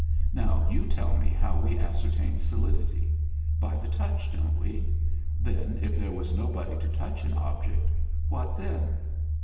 Now you tell me how we ascertain solidity. By the touch, don't we? Then, if there was nobody to touch an object, what then?